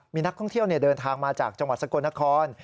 มีนักท่องเที่ยวเดินทางมาจากจังหวัดสกลนคร